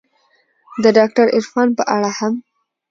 د داکتر عرفان په اړه هم